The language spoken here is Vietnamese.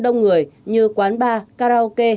đông người như quán bar karaoke